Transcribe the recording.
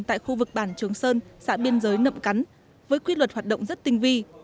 tại khu vực bản trường sơn xã biên giới nậm cắn với quy luật hoạt động rất tinh vi